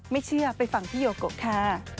ไม่เชื่อไปฟังพี่โยโกะค่ะ